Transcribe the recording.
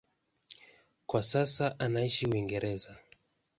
Kwa sasa anaishi Uingereza.